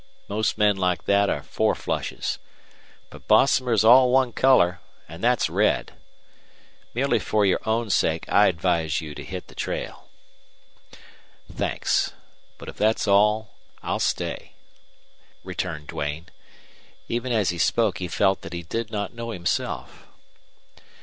Most men like that are fourflushes. But Bosomer is all one color, and that's red. Merely for your own sake I advise you to hit the trail." "Thanks. But if that's all I'll stay," returned Duane. Even as he spoke he felt that he did not know himself.